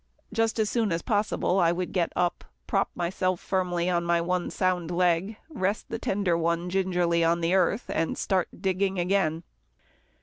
Just as soon as possible, I would get up, prop myself firmly on my one sound hind leg, rest the tender one gingerly on the earth, and start digging again.